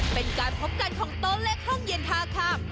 เป็นการพบกันของโต๊ะเลขห้องเย็นท่าข้าม